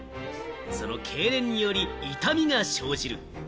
そのけいれんにより痛みが生じる。